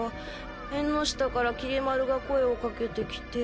えんの下からきり丸が声をかけてきて。